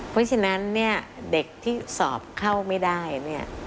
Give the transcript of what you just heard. เพราะฉะนั้นเนี่ยเด็กที่สอบเข้าไม่ได้เนี่ย